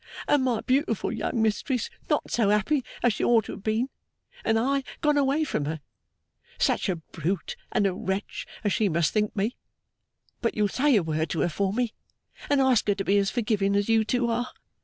And my beautiful young mistress not so happy as she ought to have been, and I gone away from her! Such a brute and a wretch as she must think me! But you'll say a word to her for me, and ask her to be as forgiving as you two are?